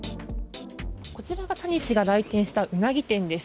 こちらが、谷氏が来店したうなぎ店です。